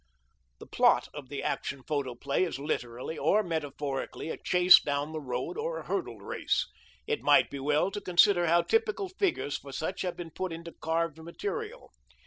The plot of the Action Photoplay is literally or metaphorically a chase down the road or a hurdle race. It might be well to consider how typical figures for such have been put into carved material.